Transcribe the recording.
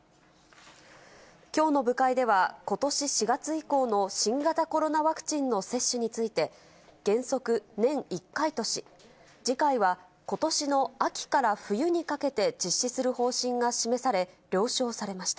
きょうの部会では、ことし４月以降の新型コロナワクチンの接種について、原則、年１回とし、次回はことしの秋から冬にかけて実施する方針が示され、了承されました。